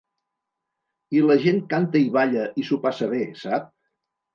I la gent canta i balla i s’ho passa bé, sap?